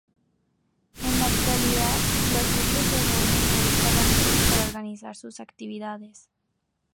En la actualidad, los socios se reúnen ahí cada jueves para organizar sus actividades.